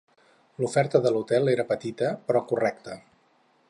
L'oferta de l'hotel era petita, però correcta.